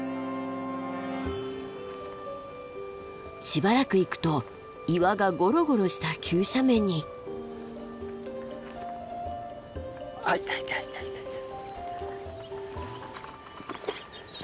しばらく行くと岩がゴロゴロした急斜面に。あっいたいたいたいた！